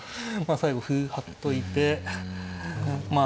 最後歩貼っといてまあ。